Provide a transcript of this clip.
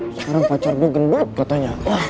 sekarang pacar gue gembok katanya